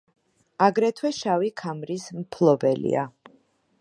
აგრეთვე შავი ქამრის მფლობელია.